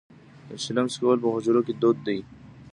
د چلم څکول په حجرو کې دود دی.